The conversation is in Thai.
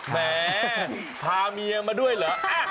แหมพาเมียมาด้วยเหรอ